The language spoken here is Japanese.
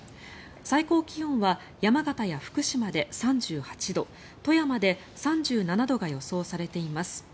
最高気温は山形や福島で３８度富山で３７度が予想されています。